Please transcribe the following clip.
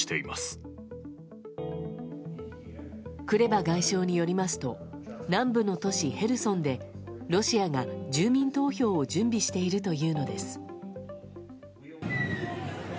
クレバ外相によりますと南部の都市ヘルソンでロシアが住民投票を準備しているというのです。